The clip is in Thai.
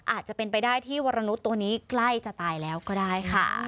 อาจจะเป็นไปได้ที่วรนุษย์ตัวนี้ใกล้จะตายแล้วก็ได้ค่ะ